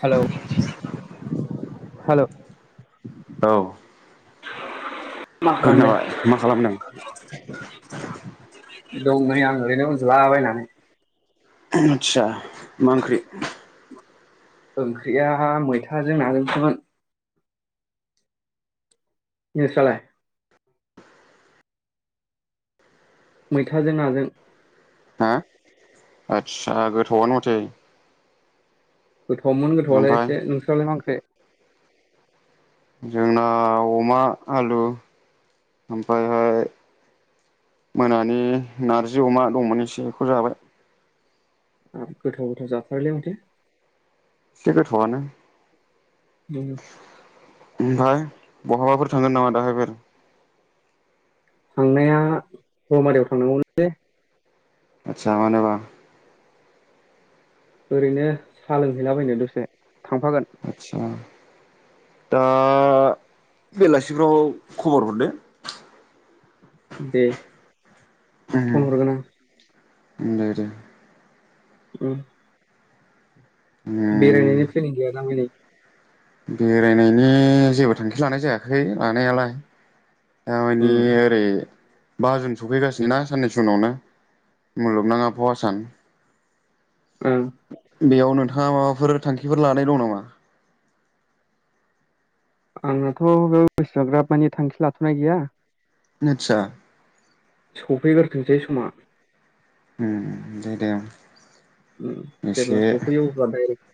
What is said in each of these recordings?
हेल' hello औ खोनाबाय। मा खालामदों? दंनै आं ओरैनो उदुला बायनानै। आदसा मा ओंख्रि? ओंख्रिया मैथाजों नाजोंसोमोन। नोंस्रालाय? मैथाजों नाजों। हा आदसा गोथावआनो माथो। गोथौआवमोन गोथावलाय ओमफ्राय एसे नोंसोरालाय मा ओंख्रि? जोंना अमा आलु ओमफ्रायहाय मोनानि नारजि अमा दंमोन एसे बेखौ जाबाय। गोथाव गोथाव जाथारलै माथो। एसे गोथावानो ओम ओमफ्राय बहाबाफोर थांगोन नामा दाहायफोर? थांनाया रमारियाव थांनांगौमोनलै। आतसा मानोबा? ओरैनो साहा लोंहैलाबायनो दसे थांफागोन? आदसा दा बेलासिफ्राव खबर हरदो। दे। ओम फन ओम हरगोन आं ओम दे दे उम बेरायनायनि प्लेनिं गैया दामानि? बेरायनायनि जेबो थांखि लानाय जायाखै लानायालाय। दा मानि उम ओरै बा जुन सफैगासिनोना साननैसो उनावनो मुलुगनाङाबहावा सान औ बेयाव नोंथाङा माबाफोर थांखिफोर लानाय दं नामा? आंनाथ' बेयाव एसाग्राब मानि थांखि लाथ'नाय गैया। आतसा सफैग्रोथोंसै समा। उम दे दे उम जेब्ला एसे [inaudible]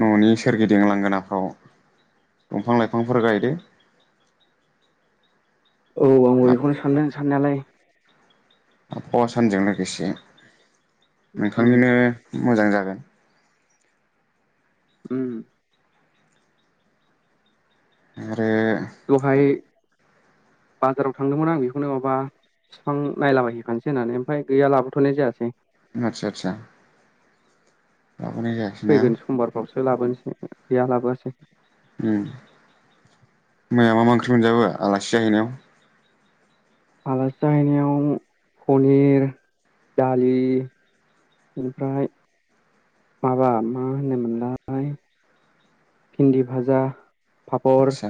न'नि सोरगिदिं लांगोनाफ्राव दंफां-लाइफांफोर गायदो। औ आंबो बेखौनो सानदों साननायालाय। आबहावा सानजों लोगोसे उम नोंथांनिनो मोजां जागोन। उम। आरो दहाय बाजाराव थांदोमोन आं बेखौनो माबा बिफां नायलाबायहैैखानोसै होननानै ओमफ्राय गैया लाबोथ'नाय जायासै। आतसा आतसा। लाबोनाय जायासैना। फैगोन समबारफ्रावसो लाबोनोसै गैया लाबोआसै। उम मैया मा मा ओंख्रि मोनजाबोआ आलासि जाहैनायाव? आलासि जाहैनायाव पनिर दालि ओमफ्राय माबा मा होनोमोनलाय भिन्दि भाजा फापर। आदसा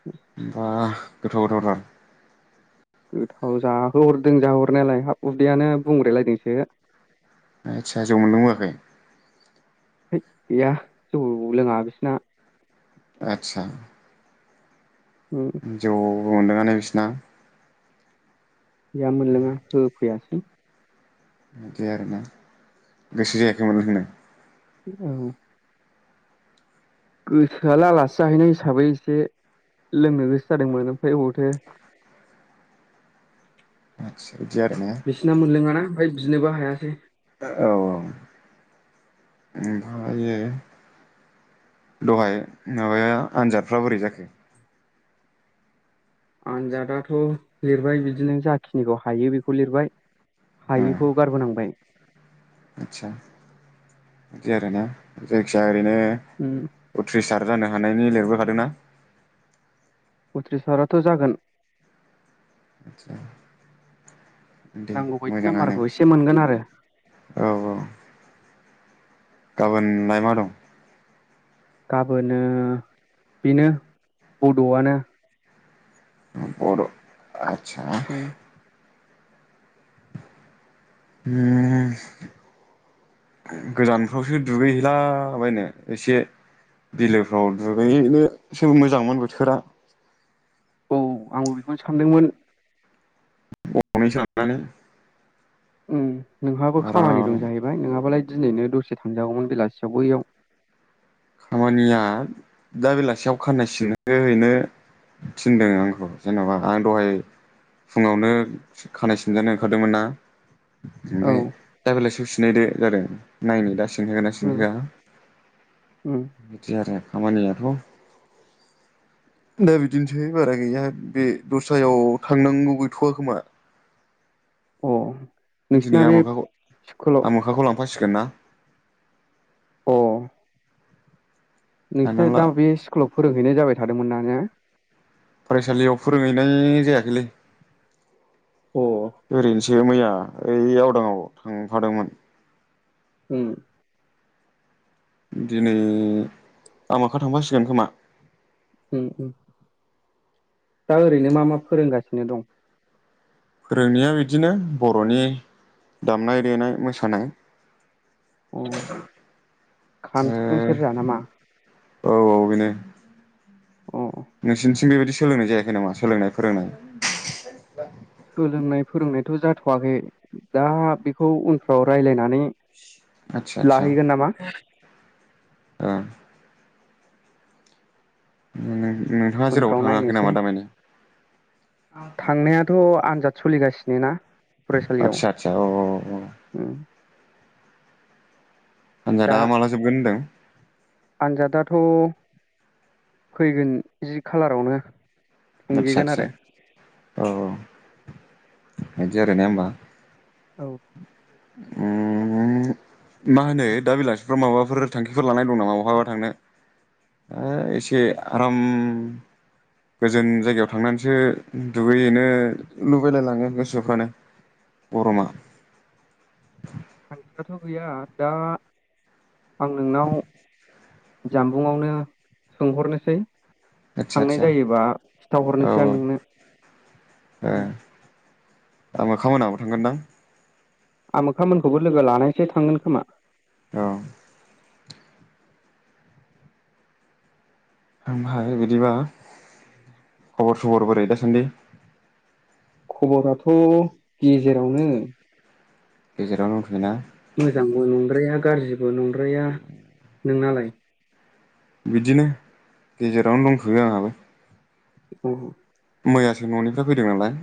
[inaudible] बा गोथाव गोथावथार। गोथाव जाहोहरदों जाहोहरनायालाय हाब उदैयानो बुंब्रे लायदोंसो। आतसा जौ मोनलोबोआखै? होत गैया जौ लोङा बिसिना। आतसा। उम। जौ मोनलोंआ ने बिसिना। गैया मोनलोङा होफैयासै। बिदि आरोना गोसो जायाखैमोन लोंनो? औ गोसोआलाय आलासि जाहैनाय हिसाबै एसे लोंनो गोसो जादोंमोन ओमफ्राय बबावथो। आतचा बिदि आरोना। बिसिना मोनलोङाना ओमफ्राय बिनोबो हायासै। औ औ ओमफ्रायो दहाय माबाया आनजादफ्रा बोरै जाखो? आनजादाथ' लिरबाय बिदिनो जाखिनिखौ हायो बेखौ लिरबाय। ओ हायिखौ गारबोनांबाय। आदसा बिदि आरोने जायखिया ओरैनो उम। उथ्रिसार जानो हानायनि लिरबोखादोंना? उथ्रिसाराथ' जागोन। आदसा दे नांगौ बायदि मोजाङानो। नाम्बारखौ एसे मोनगोन आरो औ औ। गाबोनलाय मा दं? गाबोनो बिनो बड'आनो। उम बद' आटसा उम। हुम। गोजानफ्रावसो दुगैहैलाबायनो एसे बिलोफ्राव दुगैहैनोसो मोजांमोन बोथोरा। औ आंबो बिखौनो सानदोंमोन। गंनैसो लानानै। उम नोंहाबो खामानि आराम दं जाहैबाय नोङाबालाय दिनैनो दसे थांजागौमोन बेलासियावबो बैयाव खामानिया दा बेलासियाव खाननाय सिहोनो ओरैनो। थिनदों आंखौ जेन'बा आं दहाय फुङावनो खानाय सिनजानो ओंखारदोंमोन ना। औ ओमफ्राय दा बेलासियाव सिनलायदो जादों नायनो दा सिनजागोन ना उम सिनहोया। उम। बिदि आरो खामानियाथ'। दा बिदिनोसै बारा गैया बे दस्रायाव थांनांगौ गैथ'वा खोमा। अ नोंसिना बे स्कुलाव अखा हासिगोन ना? अ। नोंसोरना थांनांला दा बे स्कुलाव फोरोंहैनाय जाबाय थादोंमोन ना हो फरायसालियाव फोरोंहैनाय जायाखैलै। अ। ओरैनोसो मैया ओइ आवदाङाव थांफादोंमोन। उम। दिनै आमोखा थांफासिगोन खोमा। उम उम दा ओरैनो मा मा फोरोंगासिनो दं? फोरोंनाया बिदिनो बर'नि दामनाय देनाय मोसानाय। उम खाम, सिफुं, ओ सेरजा नामा? औ औ बेनो। अ नोंसोरनिथिं बेबायदि सोलोंनाय जायाखै नामा सोलोंनाय फोरोंनाय? [inaudible] सोलोंनाय फोरोंनायथ' जाथ'वाखै दा बेखौ उनफ्राव रायज्लायनानै आत्सा आत्सा। ओ। नोंथाङा जेरावबो उनफ्राव थाङाखै नायनोसै नामा दामानि थांनायाथ' आनजाद सोलिगासिनो ना। फरायसालियाव आत्सा आत्सा औ औ उम। उम आन्जादा माला जोबगोन होनदों? आन्जादाथ' फैगोन जि खालारावनो। आत्सा थुंगेगोन आत्सा आरो औ औ बिदि आरो ना होनबा। औ। उम होम। मा होनो दा बेलासिफ्राव माबाफोर थांखिफोर लानाय दं नामा बहाबा थांनो? ओ एसे आराम गोजोन जायगायाव थांनानैसो दुगैहैनो लुबैलायलाङो गोसोफ्रानो। गरमा। थांखियाथ' गैया दा आं नोंनाव जानबुंआवनो सोंहरनोसै। आदसा थांनाय आदसा जायोबा औ खिन्थाहरनोसै आं नोंनो। ओ आमोखा मोनाबो थांगोन दां। आमोखामोनखौबो लोगो लानोसै थांगोन खोमा। औ। ओमफ्राय बिदिबा खबर सबर बोरै दा सान्दि? खबराथ' गेजेरावनो। गेजेरावनो दंथ'यो ना। मोजांबो नंद्राया गाज्रिबो नंद्राया। नोंनालाय? बिदिनो गेजेरावनो दंथ'यो आंहाबो। अ। मैयासो न'निफ्राय फैदों नालाय।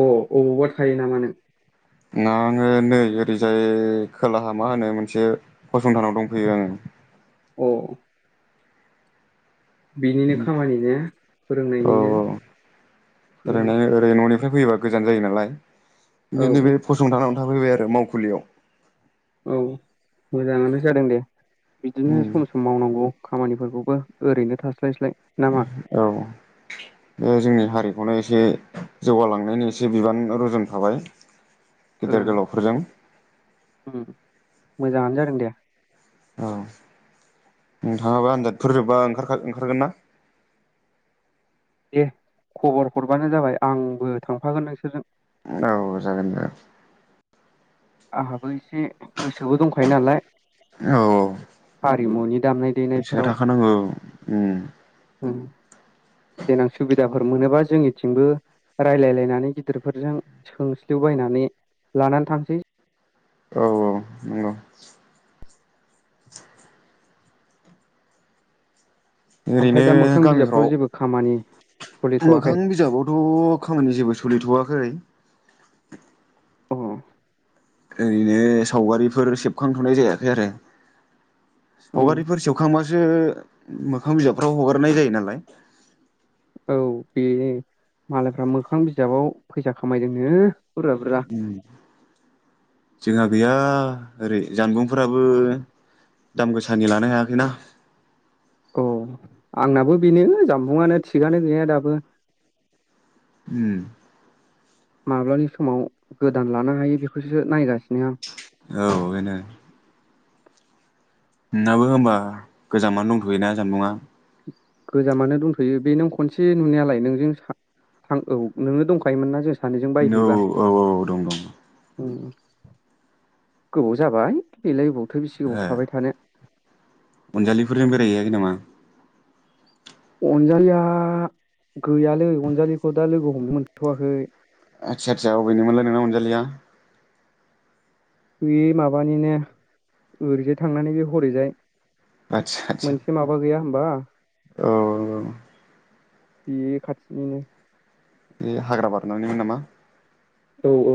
अ अबावबा थायो नामा नों? आङो नै ओरैजाय खोलाहा मा होनो मोनसे फसंथानाव दंफैयो आङो। अ बिनिनो खामानि ना औ फोरोंनायनिनो ओम बे न'निफ्राय फैयोबा गोजान जायो नालाय औ नैबे फसंथानाव थाफैबाय आरो मावखुलियाव औ मोजाङानो जादों दे बिदिनो उम सम सम मावनांगौ खामानिफोरखौबो ओरैनो थास्लायस्लाय ना मा औ बे जोंनि हारिखौनो एसे जौगालांनायनि एसे बिबान रुजुन खाबाय लांदां गेदेर गोलावफोरजों उम मोजाङानो जादों दे औ नोंथाङाबो आनजादफोर जोबबा ओंखार ओंखारगोन ना दे खबर हरबानो जाबाय आंबो थांफागोन नोंसोरजों औ जागोन दे आंहाबो एसे गोसोबो दंखायो नालाय औ औ हारिमुनि दामनाय देनायफोराव ओंखारनांगौ उम उम देनां सुबिदाफोर मोनोबा जोंनिथिंबो रायलायलायनानै गिदिरफोरजों सोंस्लिउबायनानै लानानै थांनोसै औ औ नंगौ ओरैनो ओमफ्राय दा मोखां बिजाबफ्राव जेबो खामानि गामिफ्राव सोलिथ'वाखै मोखां बिजाबावथ' खामानि जेबो सोलिथ'वाखै अ ओरैनो सावगारिफोर सेबखांथ'नाय जायाखै आरो सावगारि फोर सेबखांबासो मोखां बिजाबफ्राव हगारनाय जायो नालाय औ बेनो मालायफ्रा मोखां बिजाबाव फैसा खामायदोंनो बुरजा बुरजा लांदां उम जोंहा गैया ओरै जानबुंफोराबो दाम गोसानि लानो हायाखैना औ आंनाबो बेनो जानबुंआनो थिगानो गैया दाबो उम माब्लानि समाव गोदान लानो हायो बेखौसो नायगासिनो आं औ बेनो नोंनाबो होमबा गोजामानो दंथ'योना जानबुंआ गोजामानो दंथ'यो बे नों खनसे नुनायालाय नोंजों थां औ नोंनो दंखायोमोन ना जों सानैजों औ बायहैबा औ औ दं दं उम गोबाव जाबाय बेलाय बबावथो बेसे गोबाव ए थाबाय थानो अनजालिफोरजों बेरायहैयाखै नामा अनजालिया गैयालै अनजालिखौ दा लोगो हमनो मोनथ'वाखै आदसा आदसा अबेनिमोनलाय नोङो अनजालिया? बे माबानिनो ओरैजाय थांनानै बे हरैजाय आदसा आदसा मोनसे माबा- बा गैया होमबा औ नंगौ बे खाथिनिनो बे हाग्रा बारनानैमोन नामा औ औ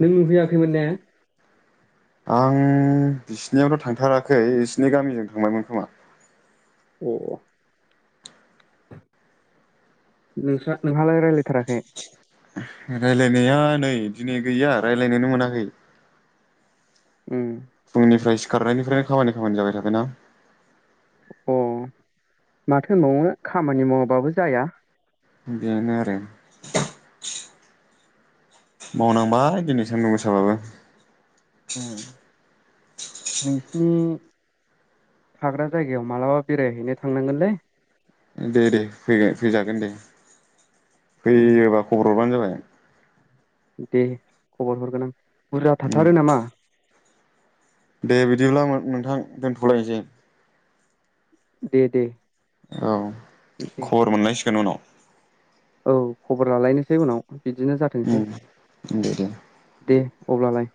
नों नुहैयाखैमोन ने आं बिसिनियावथ' थांथाराखै बिसिनि गामिजों थांबायमोन खोमा अ नोंसा नोंहालाय रायज्लायथाराखै? रायज्लायनाया नै दिनै गैया रायज्लायनोनो मोनाखै। उम। फुंनिफ्राय सिखारनायनिफ्रायनो खामानि खामानि जाबाय थागोन ना। अ माथो होनबावनो खामानि मावा बाबो जाया। बेनो आरो। मावनांबाय दिनै सान्दुं गोसाबाबो। उम। नोंसिनि थाग्रा जायगायाव मालाबा बेरायहैनो थांनांगोनलै। दे दे फैन फैजागोन दे उम फैयोबा खबर हरबानो जाबाय। दे खबर हरगोन आं बुरजा थाथारो नामा। दे बिदिब्ला नोंथां दोनथ'लायनोसै। दे दे। औ दे खबर मोनलायसिगोन उनाव। औ खबर लालायनोसै उनाव बिदिनो जाथोंसै उम दे दे दे अब्लालाय।